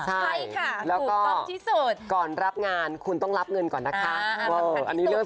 ใช่ค่ะถูกต้องที่สุด